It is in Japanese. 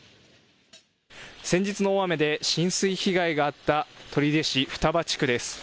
先日の大雨で浸水被害があった取手市双葉地区です。